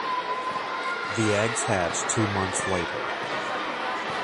The eggs hatch two months later.